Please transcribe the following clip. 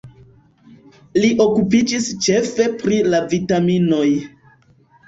Li okupiĝis ĉefe pri la vitaminoj.